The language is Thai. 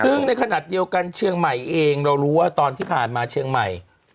ซึ่งในขณะเดียวกันเชียงใหม่เองเรารู้ว่าตอนที่ผ่านมาเชียงใหม่